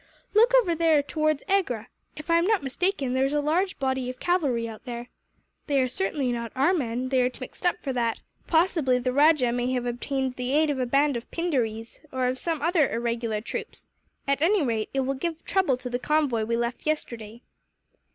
"Look over there, towards Agra. If I am not mistaken, there is a large body of cavalry out there. They are certainly not our men, they are too much mixed up for that. Possibly the rajah may have obtained the aid of a band of Pindarees, or of some other irregular troops; at any rate, it will give trouble to the convoy we left yesterday."